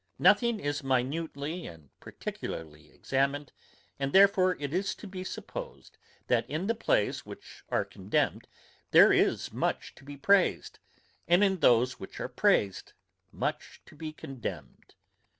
Nothing is minutely and particularly examined, and therefore it is to be supposed, that in the plays which are condemned there is much to be praised, and in these which are praised much to be condemned.